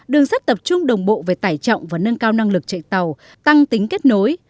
đường sắt tập trung đồng bộ về tải trọng và nâng cao năng lực chạy tàu tăng tính kết nối